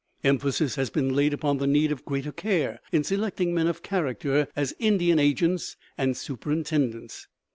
Emphasis has been laid upon the need of greater care in selecting men of character as Indian agents and superintendents.